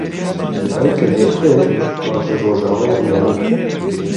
Dayîkeke kurd a ji rojavayê welêt.